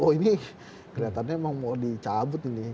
oh ini kelihatannya memang mau dicabut ini